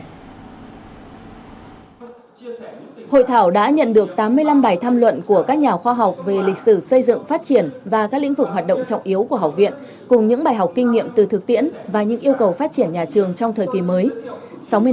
hội thảo đã nhận được tám mươi năm bài tham luận của các nhà khoa học về lịch sử xây dựng phát triển và các lĩnh vực hoạt động trọng yếu của học viện cùng những bài học kinh nghiệm từ thực tiễn và những yêu cầu phát triển nhà trường trong thời kỳ mới